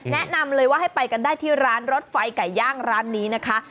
แนะนำเลยว่าให้ไปกันได้ที่ร้านรถไฟไก่ย่างร้านนี้นะคะ